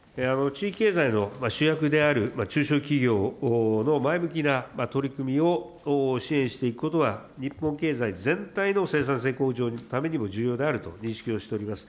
地域経済の主役である中小企業の前向きな取り組みを支援していくことは、日本経済全体の生産性向上のためにも重要であると認識をしております。